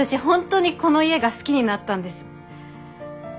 本当にこの家が好きになったんです。